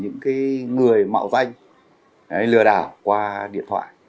những người mạo danh lừa đảo qua điện thoại